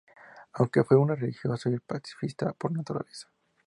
Aunque fue muy religioso y pacifista por naturaleza.